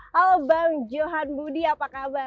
halo bang johan budi apakah